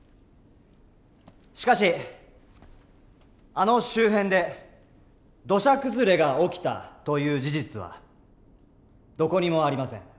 しかしあの周辺で土砂崩れが起きたという事実はどこにもありません。